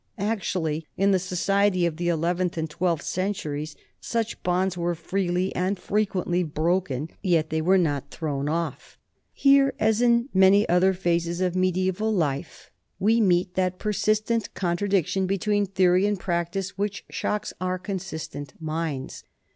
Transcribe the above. Actually, in the society of the eleventh and twelfth centuries, such bonds were freely and frequently broken, yet they were not thrown off. Here, as in many other phases of mediaeval life, 64 NORMANS IN EUROPEAN HISTORY we meet that persistent contradiction between theory and practice which shocks our more consistent minds.